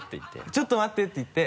「ちょっと待って」って言って。